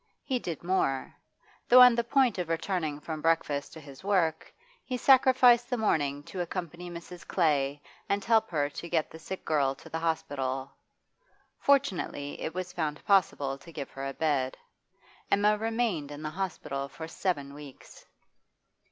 He did more; though on the point of returning from breakfast to his work, he sacrificed the morning to accompany Mrs. Clay and help her to get the sick girl to the hospital. Fortunately it was found possible to give her a bed; Emma remained in the hospital for seven weeks.